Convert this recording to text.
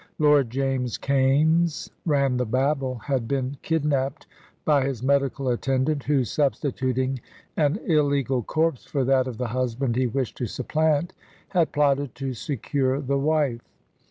Lord James Kaimes, ran the babble, had been kidnapped by his medical attendant, who, substituting an illegal corpse for that of the husband he wished to supplant, had plotted to secure the wife.